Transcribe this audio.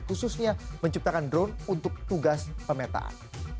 khususnya menciptakan drone untuk tugas pemetaan